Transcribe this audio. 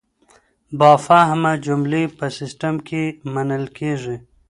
بامفهومه جملې په سیسټم کې منل کیږي.